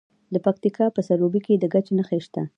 د پکتیکا په سروبي کې د ګچ نښې شته.